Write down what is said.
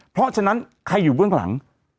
เพราะฉะนั้นใครอยู่เบื้องหลัง